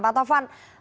pak tovan terima kasih